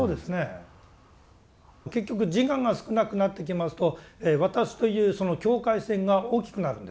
結局自我が少なくなってきますと私というその境界線が大きくなるんですね。